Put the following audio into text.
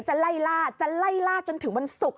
จะไล่ล่าจะไล่ล่าจนถึงวันศุกร์